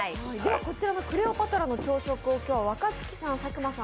こちらのクレオパトラの朝食を若槻さん、佐久間さん